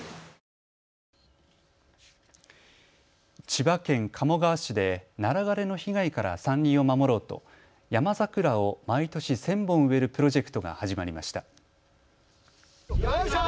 千葉県鴨川市でナラ枯れの被害から山林を守ろうとヤマザクラを毎年１０００本植えるプロジェクトが始まりました。